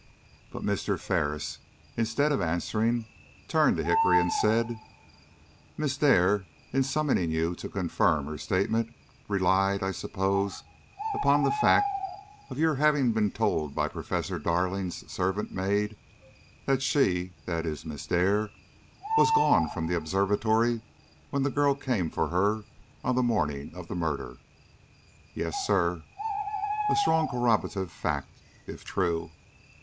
But Mr. Ferris, instead of answering, turned to Hickory and said: "Miss Dare, in summoning you to confirm her statement, relied, I suppose, upon the fact of your having been told by Professor Darling's servant maid that she that is, Miss Dare was gone from the observatory when the girl came for her on the morning of the murder?" "Yes, sir." "A strong corroborative fact, if true?"